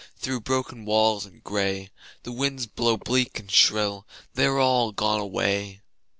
Through broken walls and gray The winds blow bleak and shrill: They are all gone away.